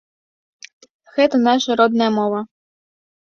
Гэта нашая родная мова.